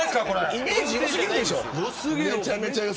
イメージ良すぎるでしょ。